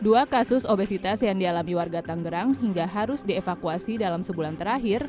dua kasus obesitas yang dialami warga tanggerang hingga harus dievakuasi dalam sebulan terakhir